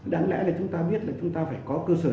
đáng lẽ là chúng ta biết là chúng ta phải có cơ sở